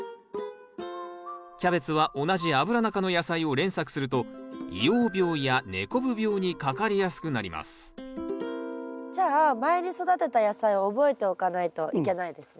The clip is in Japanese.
キャベツは同じアブラナ科の野菜を連作すると萎黄病や根こぶ病にかかりやすくなりますじゃあ前に育てた野菜を覚えておかないといけないですね。